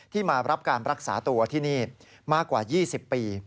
มารับการรักษาตัวที่นี่มากกว่า๒๐ปี